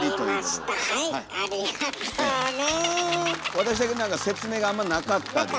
私だけなんか説明があんまなかったですけど。